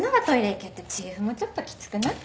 行けってチーフもちょっときつくない？